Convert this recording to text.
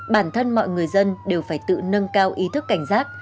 bản thân mọi người dân đều phải tự nâng cao ý thức cảnh giác